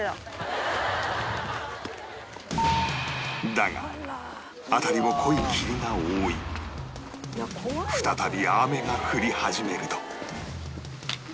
だが辺りを濃い霧が覆い再び雨が降り始めると